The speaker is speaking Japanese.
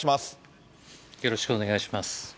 よろしくお願いします。